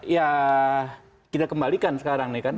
ya kita kembalikan sekarang nih kan